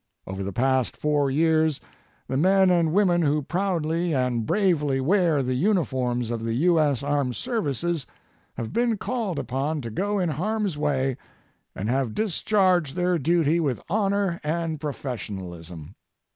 Over the past 4 years, the men and women who proudly and bravely wear the uniforms of the U.S. armed services have been called upon to go in harm's way and have discharged their duty with honor and professionalism.